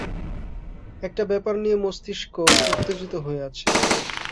একটা ব্যাপার নিয়ে মস্তিষ্ক উত্তেজিত হয়ে আছে।